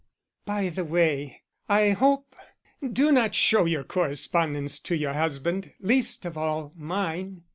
By the way, I hope do not show your correspondence to your husband, least of all mine.